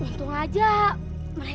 tante layak momen